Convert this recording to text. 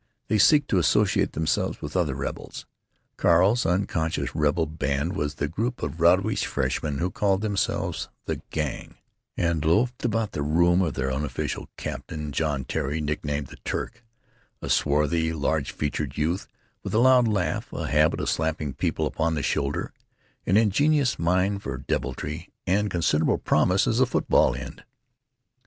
They seek to associate themselves with other rebels. Carl's unconscious rebel band was the group of rowdyish freshmen who called themselves "the Gang," and loafed about the room of their unofficial captain, John Terry, nicknamed "the Turk," a swarthy, large featured youth with a loud laugh, a habit of slapping people upon the shoulder, an ingenious mind for deviltry, and considerable promise as a football end.